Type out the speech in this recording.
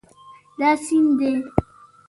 دا سیند دی